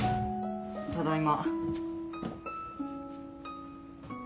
ただいま。